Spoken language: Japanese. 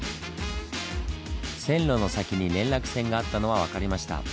線路の先に連絡船があったのは分かりました。